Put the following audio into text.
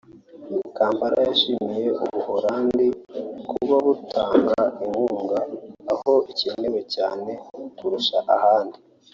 Kampeta yashimiye u Buholandi kuba butanga inkunga “aho ikenewe cyane kurusha ahandi